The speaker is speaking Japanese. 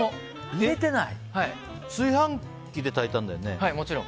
炊飯器で炊いたんだよね？